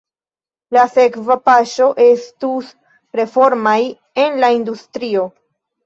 La sekva paŝo estus reformoj en la industrio.